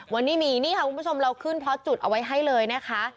วันนี้มีนี่ค่ะคุณผู้ชมเราขึ้นเพราะจุดเอาไว้ให้เลยนะคะ